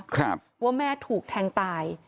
ครับว่าแม่ถูกแทงตาย